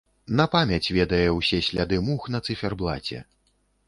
На памяць ведае ўсе сляды мух на цыферблаце.